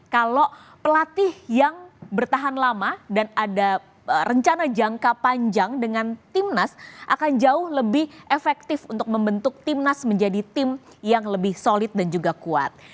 kalau pelatih yang bertahan lama dan ada rencana jangka panjang dengan timnas akan jauh lebih efektif untuk membentuk timnas menjadi tim yang lebih solid dan juga kuat